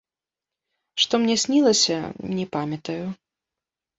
Што мне снілася, не памятаю.